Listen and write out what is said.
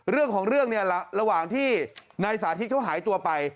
เรื่องของเรื่องเนี่ยระหว่างที่นายสาธิตเขาหายตัวไป